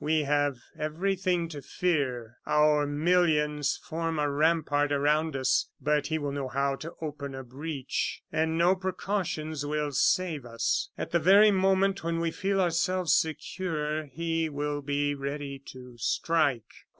We have everything to fear. Our millions form a rampart around us, but he will know how to open a breach. And no precautions will save us. At the very moment when we feel ourselves secure, he will be ready to strike.